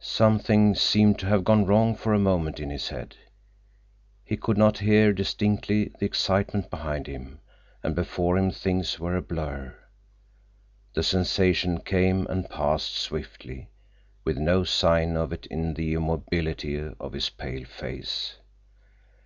Something seemed to have gone wrong for a moment in his head. He could not hear distinctly the excitement behind him, and before him things were a blur. The sensation came and passed swiftly, with no sign of it in the immobility of his pale face.